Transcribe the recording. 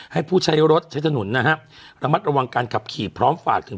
ให้ผู้ใช้รถใช้ถนนนะฮะระมัดระวังการขับขี่พร้อมฝากถึง